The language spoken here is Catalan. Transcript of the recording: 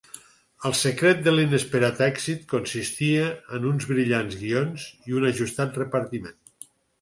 El secret de l'inesperat èxit consistia en uns brillants guions i un ajustat repartiment.